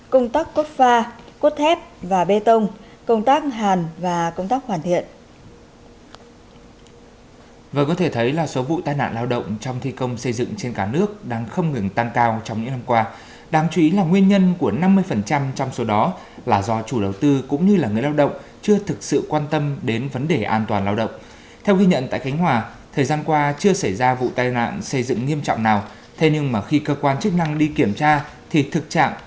công tác cốt pha cốt thép và bê tông công tác hàn và công tác hoàn thiện